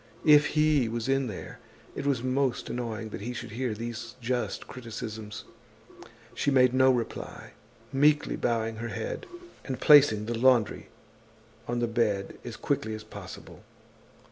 If he was in there, it was most annoying that he should hear these just criticisms. She made no reply, meekly bowing her head, and placing the laundry on the bed as quickly as possible.